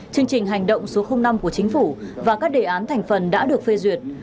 chương trình hành động số năm của chính phủ và các đề án thành phần đã được phê duyệt